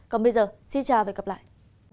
còn bây giờ xin chào và hẹn gặp lại